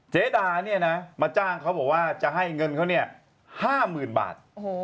เจ๊ดามาจ้างเขาบอกว่าจะให้เงินเขา๕๐๐๐๐บาท